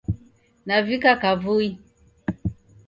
Navika kavui